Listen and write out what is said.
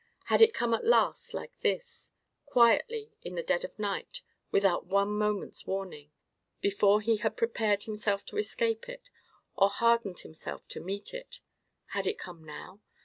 Had it come at last, like this?—quietly, in the dead of the night, without one moment's warning?—before he had prepared himself to escape it, or hardened himself to meet it? Had it come now?